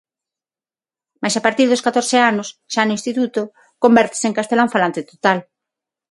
Mais a partir dos catorce anos, xa no instituto, convértese en castelanfalante total.